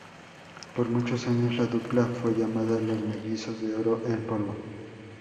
Por muchos años, la dupla fue llamada ""Los mellizos de oro en polvo"".